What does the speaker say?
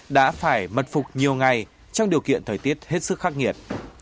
đã phải mật phục nhiều ngày trong điều kiện thời tiết hết sức khắc nghiệt